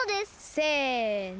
せの！